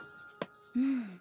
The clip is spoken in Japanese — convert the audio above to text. うん。